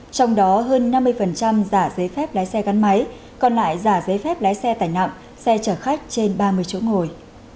trong đó hơn năm mươi giả giấy phép lái xe gắn máy còn lại giả giấy phép lái xe tải nặng xe chở khách trên ba mươi chỗ ngồi